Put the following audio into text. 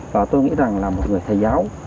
và tôi nghĩ rằng là một người thầy giáo